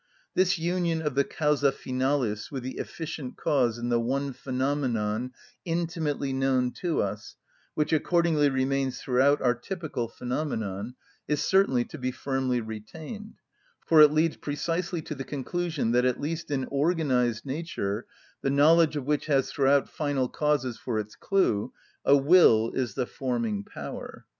This union of the causa finalis with the efficient cause in the one phenomenon intimately known to us, which accordingly remains throughout our typical phenomenon, is certainly to be firmly retained; for it leads precisely to the conclusion that at least in organised nature, the knowledge of which has throughout final causes for its clue, a will is the forming power.